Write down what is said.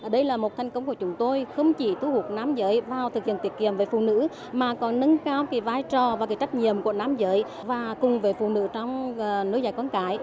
đây là một thành công của chúng tôi không chỉ thu hút nam giới vào thực hiện tiết kiệm về phụ nữ mà còn nâng cao cái vai trò và trách nhiệm của nam giới và cùng với phụ nữ trong nuôi dạy con cái